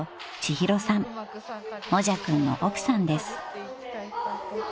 ［もじゃくんの奥さんです］